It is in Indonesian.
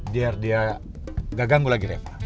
biar dia gak ganggu lagi reva